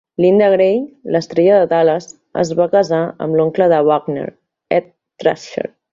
Linda Gray, l'estrella de "Dallas", es va casar amb l'oncle de Wagner, Ed Thrasher.